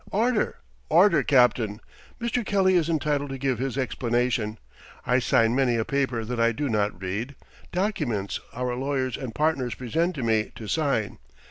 "Order, order, Captain! Mr. Kelly is entitled to give his explanation. I sign many a paper that I do not read documents our lawyers and partners present to me to sign.